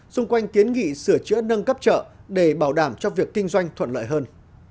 xung quanh kiến nghị sửa chữa nâng cấp chợ để bảo đảm cho việc kinh doanh thuận lợi hơn